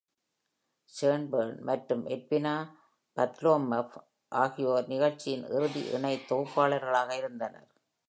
Shane Bourne மற்றும் Edwina Bartholomew ஆகியோர் நிகழ்ச்சியின் இறுதி இணை தொகுப்பாளர்களாக இருந்தனர்.